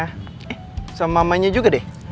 eh sama mamanya juga deh